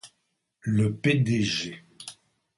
Le p.-d.g.